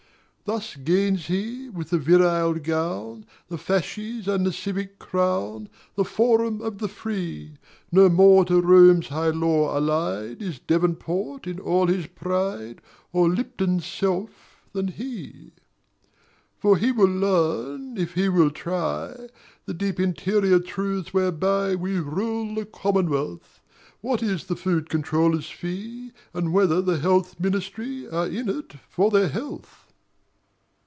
Thus gains he, with the virile gown, The fasces and the civic crown, The forum of the free; Not more to Rome's high law allied Is Devonport in all his pride Or Lipton's self than he. For he will learn, if he will try, The deep interior truths whereby We rule the Commonwealth; What is the Food Controller's fee And whether the Health Ministry Are in it for their health.